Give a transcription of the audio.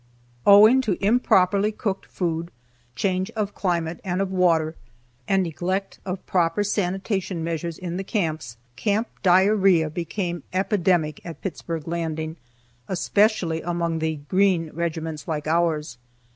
Owing to improperly cooked food, change of climate and of water, and neglect of proper sanitation measures in the camps, camp diarrhea became epidemic at Pittsburg Landing, especially among the "green" regiments like ours.